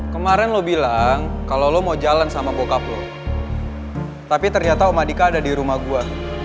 kemaren lo bilang kalo lo mau jalan sama bokap lo tapi ternyata om adhika ada di rumah gue